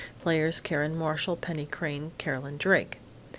Players: Karen Marshall, Penny Crain, Carolyn Drake.